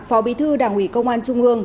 phó bí thư đảng ủy công an trung ương